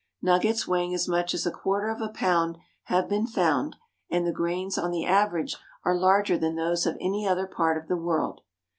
Nuggets weighing as much as a quarter of a pound have been found, and the grains on the average are larger than those of any other part of the world.